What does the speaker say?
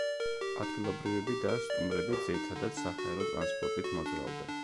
ადგილობრივები და სტუმრები ძირითადად საჰაერო ტრანსპორტით მოძრაობენ.